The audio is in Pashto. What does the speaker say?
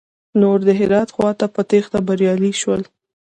نور د هرات خواته په تېښته بريالي شول.